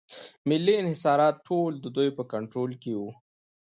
محلي انحصارات ټول د دوی په کنټرول کې وو.